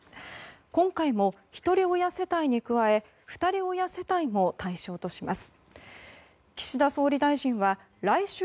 今回も、ひとり親世帯に加えふたり親世帯も対象とします。